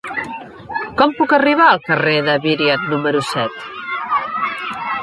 Com puc arribar al carrer de Viriat número set?